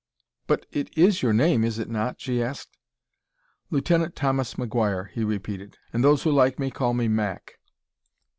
"But it is your name, is it not?" she asked. "Lieutenant Thomas McGuire," he repeated, "and those who like me call me 'Mac.'"